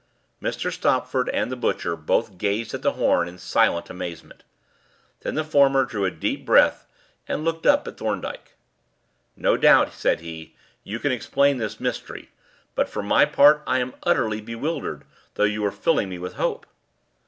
Mr. Stopford and the butcher both gazed at the horn in silent amazement; then the former drew a deep breath and looked up at Thorndyke. "No doubt," said he, "you can explain this mystery, but for my part I am utterly bewildered, though you are filling me with hope."